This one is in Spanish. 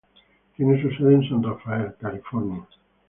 Tiene su sede en San Rafael, California.